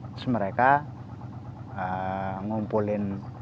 terus mereka ngumpulin